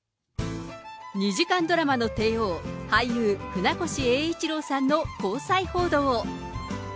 ２時間ドラマの帝王、俳優、船越英一郎さんの交際報道。